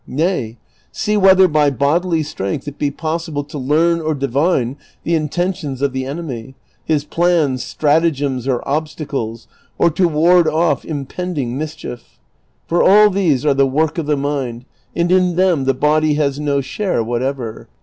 Nay ; see whether by bodily strength it be possible to learn or divine the intentions of the enemy, his plans, stratagems, or obstacles, or to ward off impending mischief ; for all these are the work of the mind, and in them the body has no share whatever.